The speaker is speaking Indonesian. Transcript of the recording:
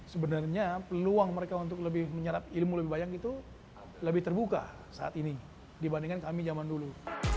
sebenarnya peluang mereka untuk lebih menyerap ilmu lebih banyak itu lebih terbuka saat ini dibandingkan kami zaman dulu